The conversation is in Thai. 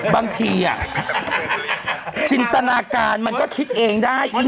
บางทีจินตนาการมันก็คิดเองได้